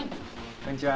こんにちは。